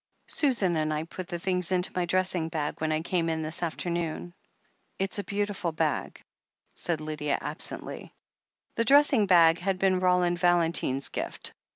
Susan and I put the things into my new dressing bag when I came in this afternoon." "It's a beautiful bag," said Lydia absently. The dressing bag had been Roland Valentine's gift.